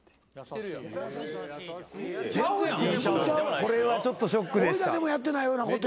これはちょっとショックでした。